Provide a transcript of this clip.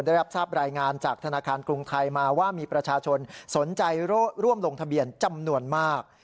ได้รับทราบรายงานจากธนาคารกรุงไทยมาว่ามีประชาชนสนใจร่วมลงทะเบียนจำนวนมาก